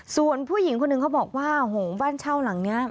ส่วนผู้หญิงคนหนึ่งเขาบอกว่าโหงบ้านเช่าหลังนี้